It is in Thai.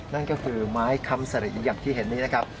นั่นก็คือไม้คำสริอย่างที่เห็นนี้นะครับ